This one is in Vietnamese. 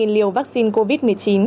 ba mươi ba liều vaccine covid một mươi chín